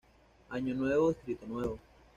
Año Nuevo Distrito Nuevo.